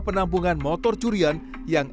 penampungan motor curian yang